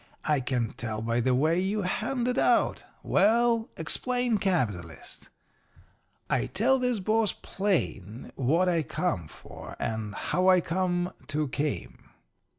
I can tell by the way you hand it out. Well, explain "capitalist."' "I tells this boss plain what I come for and how I come to came.